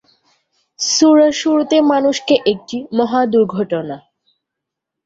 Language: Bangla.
সূরার শুরুতে মানুষকে একটি "মহা দুর্ঘটনা!"